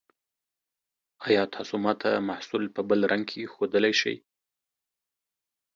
ایا تاسو ما ته محصول په بل رنګ کې ښودلی شئ؟